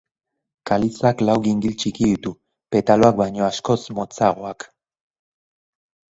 Kalizak lau gingil txiki ditu, petaloak baino askoz motzagoak.